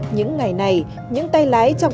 những ngày này những tay lái trong